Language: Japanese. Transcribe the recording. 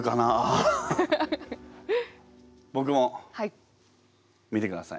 ぼくも見てください。